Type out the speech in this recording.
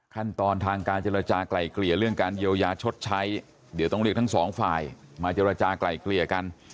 ขั้นตอนทางการศิลป์จาระจาไกลเกลี่ย